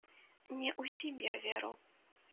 Не ўсім я веру!